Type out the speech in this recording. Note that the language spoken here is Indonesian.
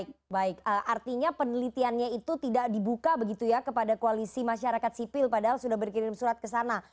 oke baik artinya penelitiannya itu tidak dibuka begitu ya kepada koalisi masyarakat sipil padahal sudah berkirim surat ke sana